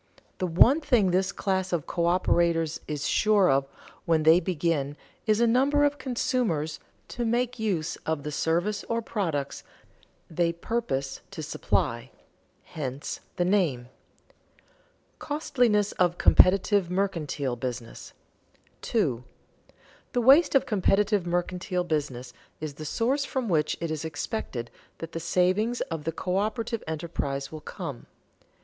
The one thing this class of coöperators is sure of when they begin is a number of consumers to make use of the service or products they purpose to supply; hence the name. [Sidenote: Costliness of competitive mercantile business] 2. _The waste of competitive mercantile business is the source from which it is expected that the savings of the coöperative enterprise will come.